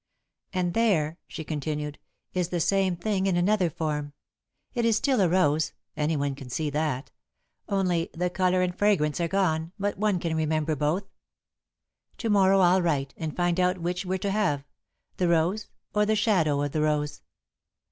"And there," she continued, "is the same thing in another form. It is still a rose anyone can see that. Only the colour and fragrance are gone, but one can remember both. To morrow I'll write, and find out which we're to have the rose, or the shadow of the rose."